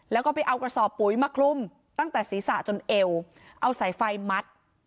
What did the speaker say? แล้วก็ไปเอากระสอบปุ๋ยมาคลุมตั้งแต่ศีรษะจนเอวเอาสายไฟมัด